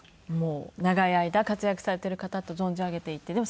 長い間活躍されてる方と存じ上げていて。